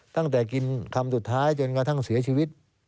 ตั้งแต่กินคำสุดท้ายจนกระทั่งเสียชีวิต